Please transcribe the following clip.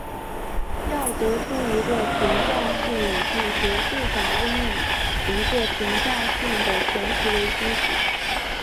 要得出一个评价性语句则至少应以一个评价性的前提为基础。